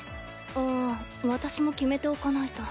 ああ私も決めておかないと。